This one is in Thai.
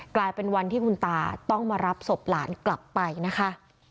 กลายเป็นวันที่คุณตาต้องมารับศพหลานกลับไปนะคะ